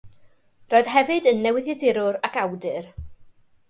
Roedd hefyd yn newyddiadurwr ac awdur.